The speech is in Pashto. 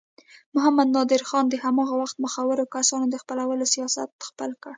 محمد نادر خان د هماغه وخت مخورو کسانو د خپلولو سیاست خپل کړ.